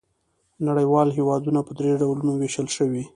نړیوال هېوادونه په درې ډولونو وېشل شوي.